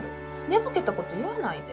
寝ぼけたこと言わないで。